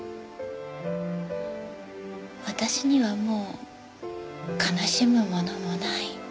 私にはもう悲しむものもない。